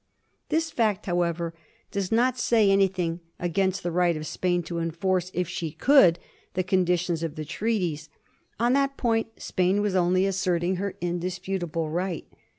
This fact, however, does not say anything against the 152 A HISTORY OF THE FOUR GEORGES. ch.xxxi. right of Spain to enforce, if she could, the conditions of the treaties. On that point Spain was only asserting her indisputable right.